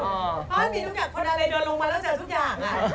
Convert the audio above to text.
ฮัวบ้านมีทุกอย่างคนอะไรดูลงมาตั้งแต่เสียทุกอย่าง